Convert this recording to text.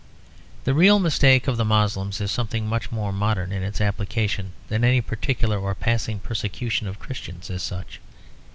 The real mistake of the Moslems is something much more modern in its application than any particular or passing persecution of Christians as such.